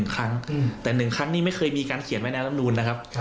๑ครั้งแต่๑ครั้งนี้ไม่เคยมีการเขียนไว้ในลำนูนนะครับ